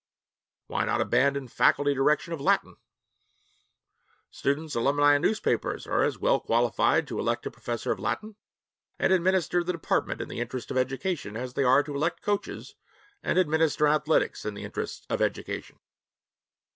Why not abandon faculty direction of Latin? Students, alumni, and newspapers are as well qualified to elect a professor of Latin and administer the department in the interests of education, as they are to elect coaches and administer athletics in the interests of education.